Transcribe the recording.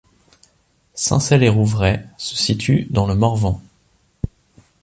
Sincey-lès-Rouvray se situe dans le Morvan.